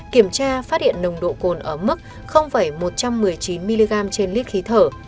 kiểm tra phát hiện nồng độ cồn ở mức một trăm một mươi chín mg trên lít khí thở